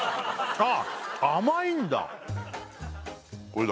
あ甘いんだ